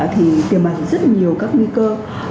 thì tiềm ẩn rất nhiều các nguy cơ